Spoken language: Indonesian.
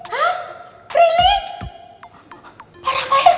kamu lord ulang sebab penyisian